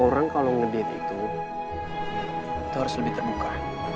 orang kalau ngedate itu itu harus lebih terbuka